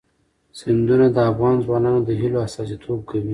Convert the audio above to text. سیندونه د افغان ځوانانو د هیلو استازیتوب کوي.